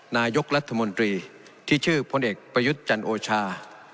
นายกรัฐมนตรีที่ชื่อพลเอกประยุทธ์จันโอชา